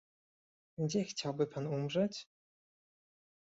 "Gdzie chciałby pan umrzeć?"